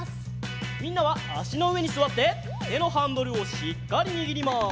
みんなはあしのうえにすわっててのハンドルをしっかりにぎります。